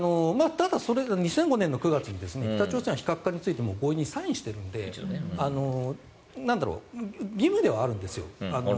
２００５年に９月に北朝鮮は非核化について合意にサインをしているので義務ではあるんですよ。